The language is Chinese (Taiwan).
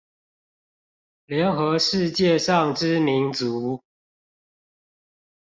聯合世界上之民族